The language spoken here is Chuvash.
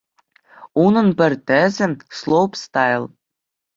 Унӑн пӗр тӗсӗ -- слоупстайл.